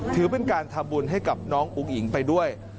ถือเป็นการทำบุญให้กับน้องอุ๋งอิ๋งไปด้วย